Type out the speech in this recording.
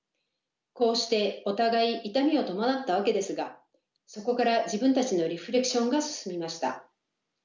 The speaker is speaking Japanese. こうしてお互い痛みを伴ったわけですがそこから自分たちのリフレクションが進みました。